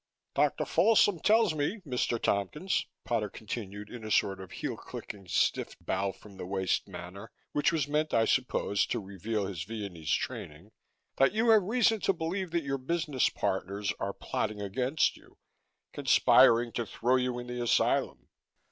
"Dr. Folsom tells me, Mr. Tompkins," Potter continued in a sort of heel clicking, stiff bow from the waist manner which was meant, I suppose, to reveal his Viennese training, "that you have reason to believe that your business partners are plotting against you, conspiring to throw you in the asylum?